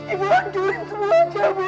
ibu hancurin semua aja ibu